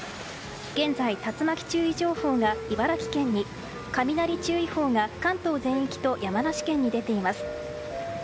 現在、竜巻注意情報が茨城県に雷注意報が関東全域と山梨県に出ています。